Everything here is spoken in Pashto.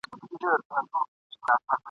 سره يو به کي موجونه !.